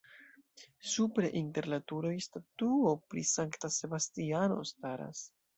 Supre inter la turoj statuo pri Sankta Sebastiano staras.